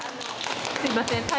すいません。